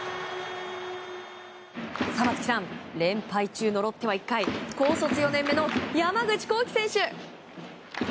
連敗中のロッテは１回高卒４年目の山口航輝選手。